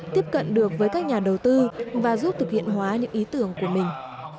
tiếp cận được với các nhà đầu tư và giúp thực hiện hóa những ý tưởng của mình